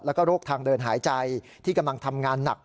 แล้วก็โรคทางเดินหายใจที่กำลังทำงานหนัก